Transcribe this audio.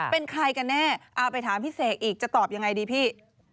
เป็นใครกันแน่เอาไปถามพี่เสกอีกจะตอบยังไงดีพี่